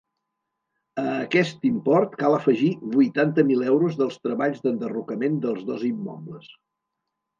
A aquest import cal afegir vuitanta mil euros dels treballs d’enderrocament dels dos immobles.